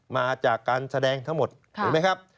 มาจากการแสดงทั้งหมดเห็นไหมครับ